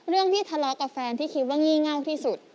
เรื่องที่ทะเลาะกับแฟนที่คิดว่างี่เง่าที่สุด